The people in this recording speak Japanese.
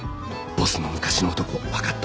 ボスの昔の男分かったよ。